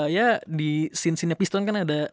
ya di scene scene pistone kan ada